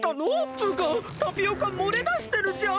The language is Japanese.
つうかタピオカもれだしてるじゃん！